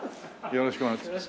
よろしくお願いします。